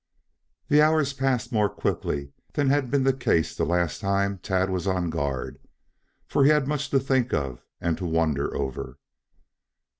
The hours passed more quickly than had been the case the last time Tad was on guard, for he had much to think of and to wonder over.